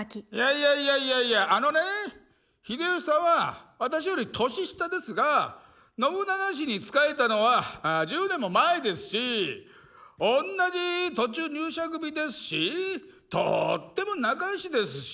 いやいやいやいやあのね秀吉さんは私より年下ですが信長氏に仕えたのは１０年も前ですし同じ途中入社組ですしとっても仲よしですし。